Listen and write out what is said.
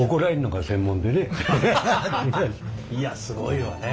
いやすごいわね。